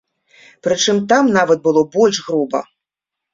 Прычым, там нават было больш груба.